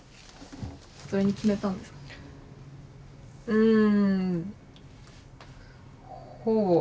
うん。